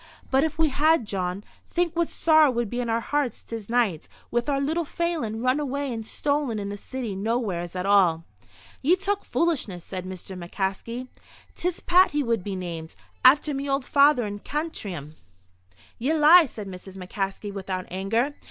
"But if we had, Jawn, think what sorrow would be in our hearts this night, with our little Phelan run away and stolen in the city nowheres at all." "Ye talk foolishness," said Mr. McCaskey. "'Tis Pat he would be named, after me old father in Cantrim." "Ye lie!" said Mrs. McCaskey, without anger.